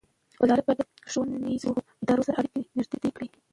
وزارت باید د ښوونیزو ادارو سره اړیکې نږدې کړي.